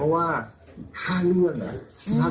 เพราะว่า๕เรื่องแหละ